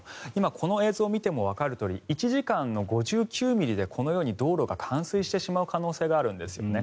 この映像を見てもわかるとおり１時間５９ミリでこのように道路が冠水してしまう可能性があるんですね。